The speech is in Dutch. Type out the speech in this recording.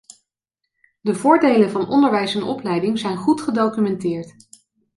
De voordelen van onderwijs en opleiding zijn goed gedocumenteerd.